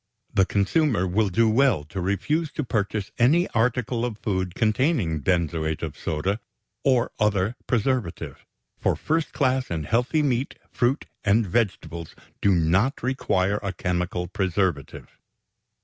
The consumer will do well to refuse to purchase any article or food containing benzoate of soda or other preservative, for first class and healthy meat, fruit, and vegetables do not require a chemical preservative.